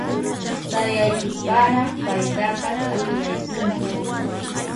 Sayaykusparaq paytaqa t'aqllaykunku.